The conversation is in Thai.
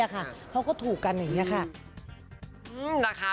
เขาก็ถูกกันอย่างนี้ค่ะ